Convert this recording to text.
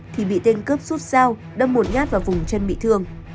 thì bị tên cướp dao đâm một nhát vào vùng chân bị thương